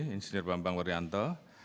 insinyur bambang waryanto